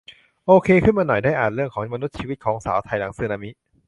โอเคขึ้นมาหน่อย ได้อ่านเรื่องของมนุษย์ ชีวิตของสาวไทยหลังสึนามิ